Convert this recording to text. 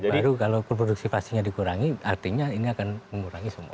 baru kalau produksi vaksinnya dikurangi artinya ini akan mengurangi semua